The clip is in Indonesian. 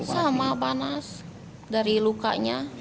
sama panas dari lukanya